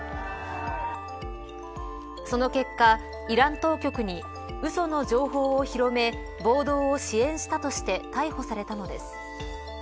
その結果、イラン当局にうその情報を広め暴動を支援したとして逮捕されたのです。